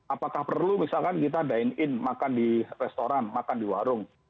apakah perlu misalkan kita dine in makan di restoran makan di warung